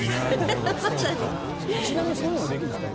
ちなみにそういうのもできるんですか？